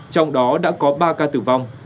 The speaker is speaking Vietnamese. trong đó đã có ba ca tử vong